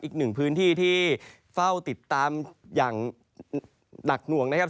อีกหนึ่งพื้นที่ที่เฝ้าติดตามอย่างหนักหน่วงนะครับ